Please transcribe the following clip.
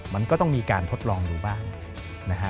มันก็ต้องมีการทดลองดูบ้างนะฮะ